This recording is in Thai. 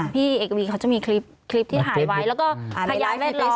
พี่เอกวีเขาจะมีคลิปที่ถ่ายไว้แล้วก็พยานแวดล้อ